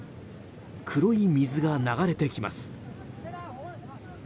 黒い水が流れてきます。